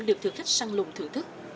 được thử khách săn lùng thử thức